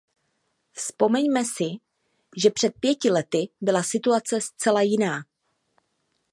Vzpomeňme si, že před pěti lety byla situace zcela jiná.